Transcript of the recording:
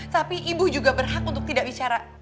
tapi ibu juga berhak untuk tidak bicara